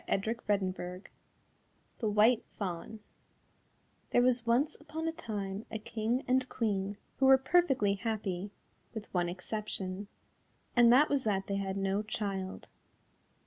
"] THE WHITE FAWN There was once upon a time a King and Queen who were perfectly happy, with one exception, and that was that they had no child.